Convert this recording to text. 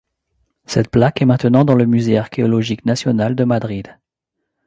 Cette plaque est maintenant dans le Musée Archéologique National de Madrid.